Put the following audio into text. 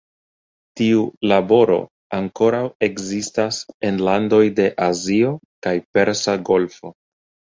Tiu laboro ankoraŭ ekzistas en landoj de Azio kaj Persa Golfo.